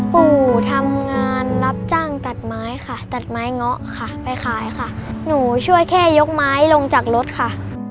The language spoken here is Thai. ปู่ทำงานรับจ้างตัดไม้ค่ะตัดไม้เงาะค่ะไปขายค่ะหนูช่วยแค่ยกไม้ลงจากรถค่ะ